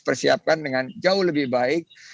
persiapkan dengan jauh lebih baik